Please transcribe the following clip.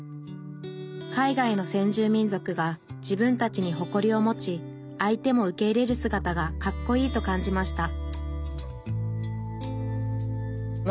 海外の先住民族が自分たちに誇りを持ち相手も受け入れるすがたがかっこいいと感じました